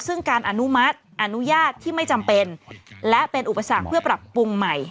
ซึ่งการอนุมัติอนุญาตที่ไม่จำเป็นและเป็นอุปสรรคเพื่อปรับปรุงใหม่